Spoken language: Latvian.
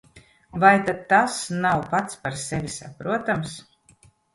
Vai tad tas nav pats par sevi saprotams?